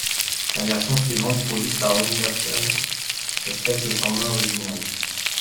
La version suivante produite par Universal respecte le format original.